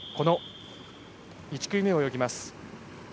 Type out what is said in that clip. １組目を泳ぎます